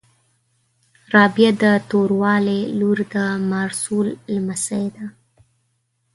رابعه د توریالي لور د میارسول لمسۍ ده